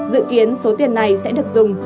dự kiến số tiền này sẽ được dùng